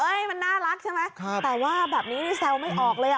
เอ้ยมันน่ารักใช่ไหมครับแต่ว่าแบบนี้แซวไม่ออกเลยอ่ะ